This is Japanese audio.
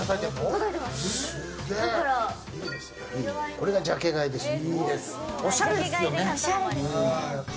これがジャケ買いですよ。